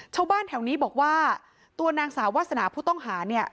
ชาวบ้านแถวนี้บอกว่าตัวนางสาววาสนาผู้ต้องหาเนี่ย